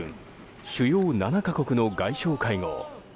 主要７か国の外相会合。